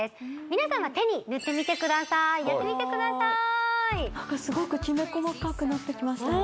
皆さんは手に塗ってみてくださいやってみてくださいすごくきめ細かくなってきましたよ